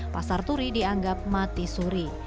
pasar turi dianggap mati suri